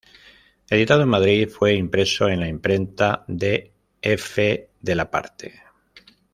Editado en Madrid fue impreso en la imprenta de F. de la Parte.